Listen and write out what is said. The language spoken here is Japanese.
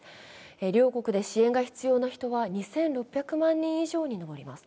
両国で支援が必要な人は２６００万人以上にのぼります。